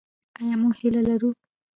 آیا موږ هیله لرو؟